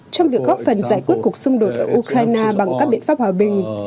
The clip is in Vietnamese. trong việc góp phần giải quyết cuộc xung đột ở ukraine bằng các biện pháp hòa bình